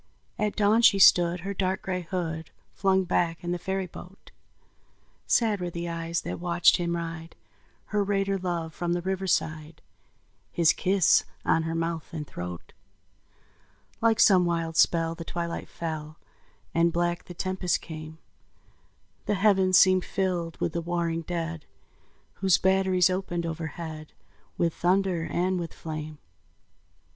At dawn she stood her dark gray hood Flung back in the ferry boat; Sad were the eyes that watched him ride, Her raider love, from the riverside, His kiss on her mouth and throat. Like some wild spell the twilight fell, And black the tempest came; The heavens seemed filled with the warring dead, Whose batteries opened overhead With thunder and with flame.